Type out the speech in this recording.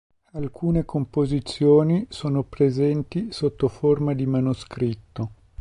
Alcune composizioni sono presenti sotto forma di manoscritto.